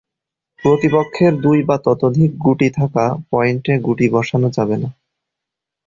প্রতিপক্ষের দুই বা ততোধিক গুটি থাকা পয়েন্টে গুটি বসানো যাবে না।